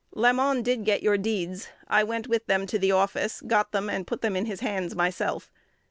Lamon did get your deeds. I went with him to the office, got them, and put them in his hands myself.